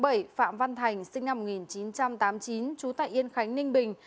phạm văn thành sinh năm một nghìn chín trăm tám mươi chín trú tại yên khánh ninh bình